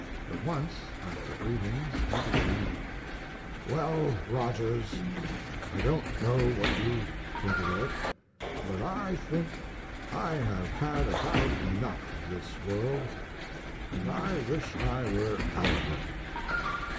But once, after greetings, he began: "Well, Rogers, I don't know what you think of it, but I think I have had about enough of this world, and I wish I were out of it."